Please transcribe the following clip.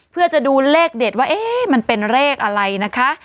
เพื่อจะดูเลขเด็ดว่าเอ๊ะลิขอะไรนะคะ